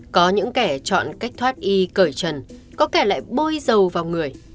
có những kẻ chọn cách thoát y cởi trần có kẻ lại bôi dầu vào người